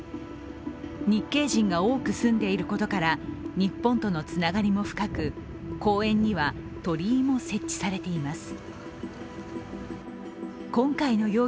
日系人が多く住んでいることから日本とのつながりも深く、公園には鳥居も設置されています。